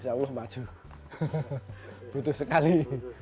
insya allah maju butuh sekali